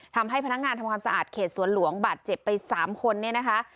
ทำให้พนักงานทำความสะอาดเขตสวนหลวงบาดเจ็บไป๓คนเนี่ยนะคะ